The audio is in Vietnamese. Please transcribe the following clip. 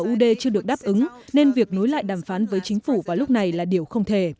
ud chưa được đáp ứng nên việc nối lại đàm phán với chính phủ vào lúc này là điều không thể